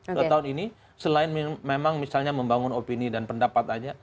selama dua tahun ini selain memang membangun opini dan pendapat aja